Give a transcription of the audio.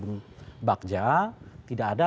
bang bagja tidak ada